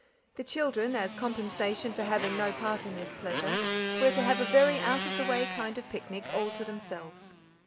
The children, as compensation for having no part in this pleasure, were to have a very, out of the way kind of picnic all to themselves.